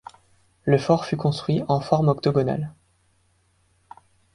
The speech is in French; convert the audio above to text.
Le fort fut reconstruit en forme octogonale.